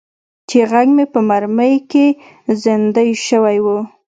چې غږ مې په مرۍ کې زیندۍ شوی و.